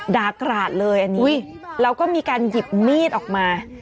กราดเลยอันนี้แล้วก็มีการหยิบมีดออกมา